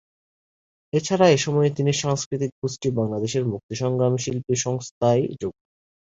এছাড়া এ সময়ে তিনি সাংস্কৃতিক গোষ্ঠী "বাংলাদেশ মুক্তি সংগ্রামী শিল্পী সংস্থা"য় যোগ দেন।